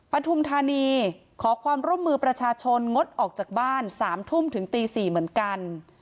ปฐุมธานีขอความร่วมมือประชาชนงดออกจากบ้าน๓ทุ่มถึงตี๔เหมือนกัน